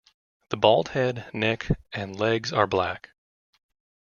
The bald head, neck and legs are black.